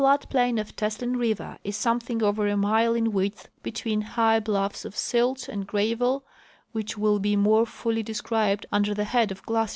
The floodplain of Teslin river is something over a mile in width, between high bluffs of silt and gravel which will be more fully described under the head of glacial phenomena.